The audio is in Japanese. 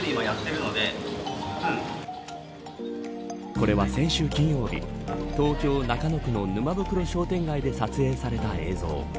これは、先週金曜日東京、中野区の沼袋商店街で撮影された映像。